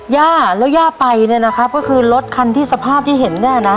ย่าแล้วย่าไปเนี่ยนะครับก็คือรถคันที่สภาพที่เห็นเนี่ยนะ